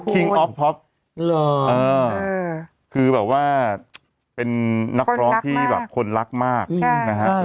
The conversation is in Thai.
คิงอฟพล็อคหรอเออคือแบบว่าเป็นนักร้องที่แบบคนรักมากใช่